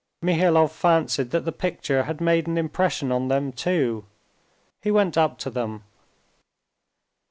Mihailov fancied that the picture had made an impression on them too. He went up to them.